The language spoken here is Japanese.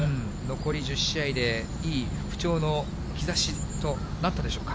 残り１０試合で、いい復調の兆しとなったでしょうか。